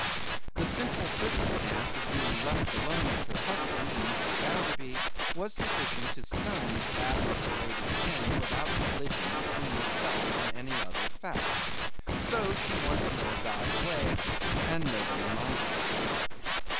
The simple circumstance of being left alone with her husband and Mr. Bounderby, was sufficient to stun this admirable lady again without collision between herself and any other fact. So, she once more died away, and nobody minded her.